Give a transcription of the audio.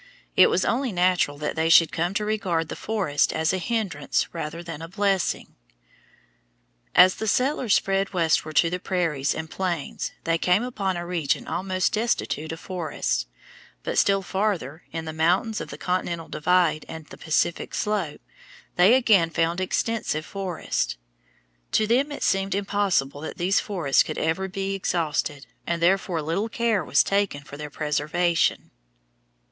It was only natural that they should come to regard the forests as a hindrance rather than a blessing. As the settlers spread westward to the prairies and plains they came upon a region almost destitute of forests; but still farther, in the mountains of the continental divide and the Pacific slope, they again found extensive forests. To them it seemed impossible that these forests could ever be exhausted, and therefore little care was taken for their preservation.